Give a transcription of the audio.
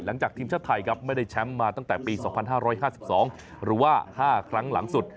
หลังจากทีมชาติไทยครับไม่ได้แชมป์มาตั้งแต่ปี๒๕๕๒หรือว่า๕ครั้งหลังสุด